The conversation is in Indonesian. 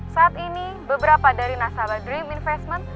saat ini beberapa dari nasabah dream investment